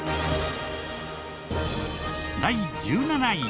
第１７位。